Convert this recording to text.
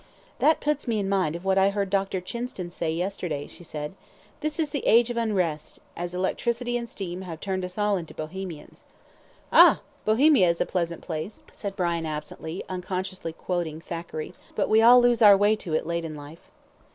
"That puts me in mind of what I heard Dr. Chinston say yesterday," she said. "This is the age of unrest, as electricity and steam have turned us all into Bohemians." "Ah! Bohemia is a pleasant place," said Brian, absently, unconsciously quoting Thackeray, "but we all lose our way to it late in life."